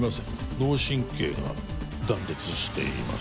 脳神経が断裂しています